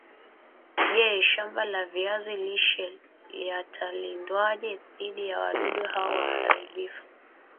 Je shambala viazi lishe liatalindwaje dhidi ya wadudu hao haribifu